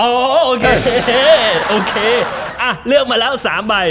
โอเคโอเคเลือกมาแล้ว๓ใบ